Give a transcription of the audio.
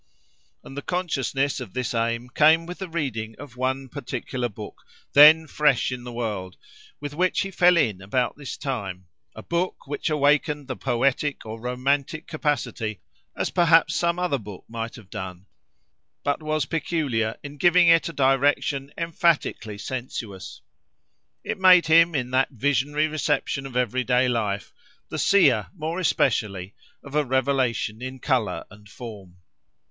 And the consciousness of this aim came with the reading of one particular book, then fresh in the world, with which he fell in about this time—a book which awakened the poetic or romantic capacity as perhaps some other book might have done, but was peculiar in giving it a direction emphatically sensuous. It made him, in that visionary reception of every day life, the seer, more especially, of a revelation in colour and form.